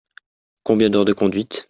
Combien d'heures de conduite ?